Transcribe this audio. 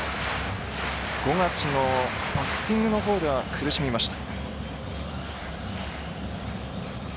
５月バッティングのほうでは苦しみました。